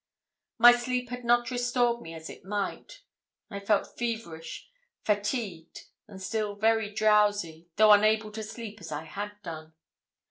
My sleep had not restored me as it might; I felt feverish, fatigued, and still very drowsy, though unable to sleep as I had done.